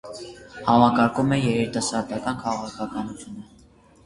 Համակարգում է երիտասարդական քաղաքականությունը։